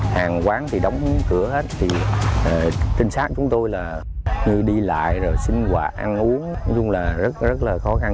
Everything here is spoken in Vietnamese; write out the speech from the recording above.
hàng quán đóng cửa hết trinh sát chúng tôi như đi lại xin quà ăn uống luôn là rất khó khăn